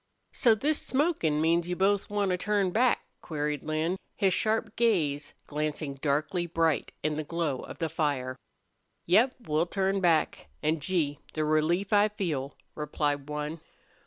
"So this smokin' means you both want to turn back?" queried Lin, his sharp gaze glancing darkly bright in the glow of the fire. "Yep, we'll turn back. An', Gee! the relief I feel!" replied one.